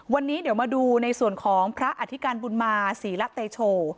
วันนี้เดี๋ยวมาดูในส่วนของพระอธิการบุญมาศรีละเตโช